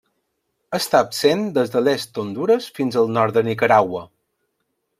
Està absent des de l'est d'Hondures fins al nord de Nicaragua.